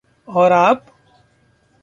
और आप?